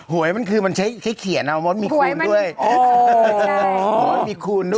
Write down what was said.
หวยมันคือมันใช้เขียนอ๋อเหมือนมีคุณด้วยอ๋ออ๋อโอ้มีคุณด้วย